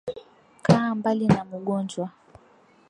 Kaa mbali na mugonjwa